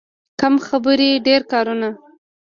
کم خبرې، ډېر کارونه.